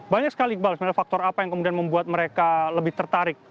banyak sekali iqbal sebenarnya faktor apa yang kemudian membuat mereka lebih tertarik